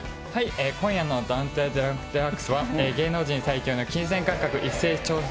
今夜のダウンタウンＤＸは芸能人最強の金銭感覚一斉調査